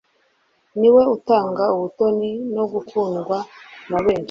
Ni we utanga ubutoni no gukundwa na benshi